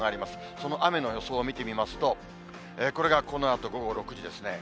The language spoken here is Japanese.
その雨の予想を見てみますと、これがこのあと午後６時ですね。